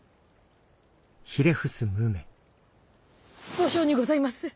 後生にございます！